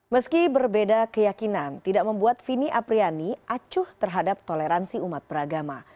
meski berbeda keyakinan tidak membuat vini apriani acuh terhadap toleransi umat beragama